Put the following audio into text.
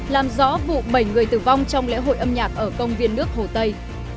làm rõ vụ bảy người tử vong trong lễ hội âm nhạc ở công viên nước hồ tây